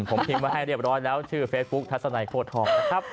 ผมพิมพ์ไว้ให้เรียบร้อยแล้วชื่อเฟซบุ๊คทัศนัยโค้ดทองนะครับ